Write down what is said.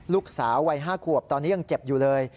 ลูกสาววัย๕ขวบตอนนี้ยังเจ็บอยู่เลย